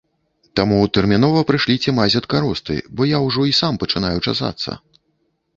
Таму тэрмінова прышліце мазь ад каросты, бо я ўжо і сам пачынаю часацца.